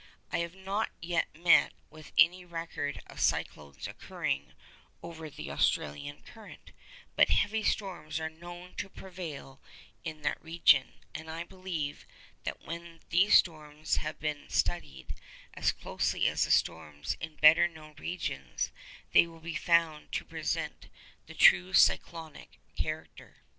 I have not yet met with any record of cyclones occurring over the Australian current, but heavy storms are known to prevail in that region, and I believe that when these storms have been studied as closely as the storms in better known regions, they will be found to present the true cyclonic character.